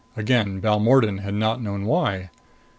Again Balmordan had not known why.